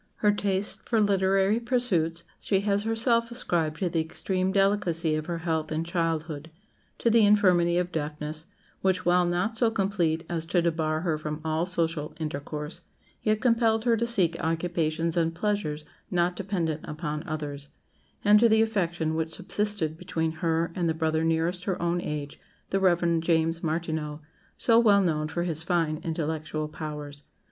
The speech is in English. Her tastes for literary pursuits she has herself ascribed to the extreme delicacy of her health in childhood; to the infirmity of deafness, which, while not so complete as to debar her from all social intercourse, yet compelled her to seek occupations and pleasures not dependent upon others; and to the affection which subsisted between her and the brother nearest her own age, the Rev. James Martineau, so well known for his fine intellectual powers.